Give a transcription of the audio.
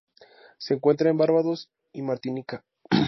Se encuentra en Barbados y Martinica.